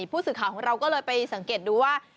ผู้สื่อข่าวของเราก็เลยไปสังเกตดูว่า